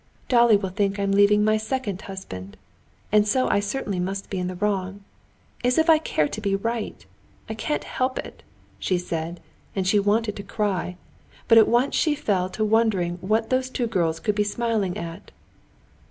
"Dolly will think I'm leaving my second husband, and so I certainly must be in the wrong. As if I cared to be right! I can't help it!" she said, and she wanted to cry. But at once she fell to wondering what those two girls could be smiling about.